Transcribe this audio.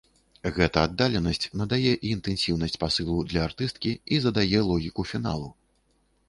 Гэта аддаленасць надае і інтэнсіўнасць пасылу для артысткі, і задае логіку фіналу.